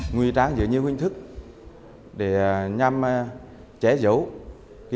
nguy trang dưới nhiều hình thức để nhằm trẻ dấu